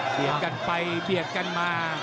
เบียดกันไปเบียดกันมา